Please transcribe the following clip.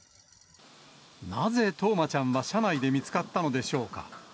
なぜ冬生ちゃんは車内で見つかったのでしょうか。